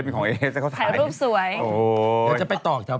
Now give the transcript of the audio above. ปีนี้จะไปอีกเวิร์ด